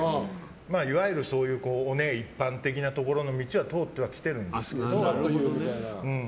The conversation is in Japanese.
いわゆる、そういうオネエの一般的なところの道は通ってはきてるんですけど。